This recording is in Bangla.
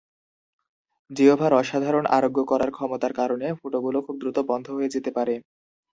জিহ্বার অসাধারণ আরোগ্য করার ক্ষমতার কারণে, ফুটোগুলো খুব দ্রুত বন্ধ হয়ে যেতে পারে।